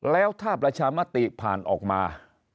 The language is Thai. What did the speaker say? แล้วถ้าประชามติผ่านออกมา